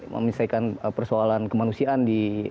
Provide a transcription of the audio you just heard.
memisahkan persoalan kemanusiaan di